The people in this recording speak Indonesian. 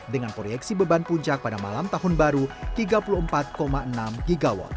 dengan proyeksi beban puncak pada malam tahun baru tiga puluh empat enam gw